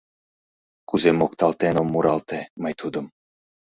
Кузе мокталтен ом муралте мый тудым